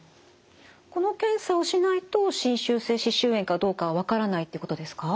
この検査をしないと侵襲性歯周炎かどうかは分からないってことですか？